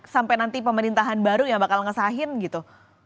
sampai nanti pemerintahan baru yang bakal ngesahin gitu